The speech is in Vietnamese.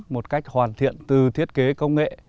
một cách hoàn thiện từ thiết kế công nghệ